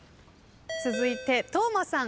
続いて當間さん。